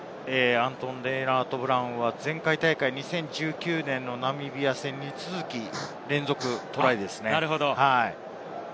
ただレイナートブラウンは前回大会、２０１９年のナミビア戦に続き連続トライですね。